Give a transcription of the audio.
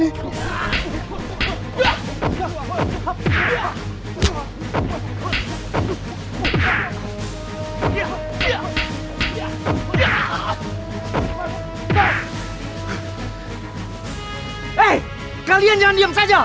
aduh masalah apa lagi ini